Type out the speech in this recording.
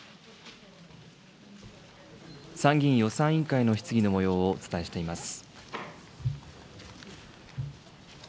参議院予算委員会の質疑のもようをお伝えしています。